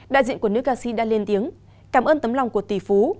đại diện của nước ca sĩ đã lên tiếng cảm ơn tấm lòng của tỷ phú